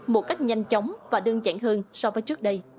một cách nhanh chóng và đơn giản hơn so với trước đây